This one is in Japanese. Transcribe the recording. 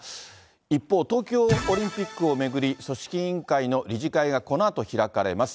一方、東京オリンピックを巡り、組織委員会の理事会がこのあと開かれます。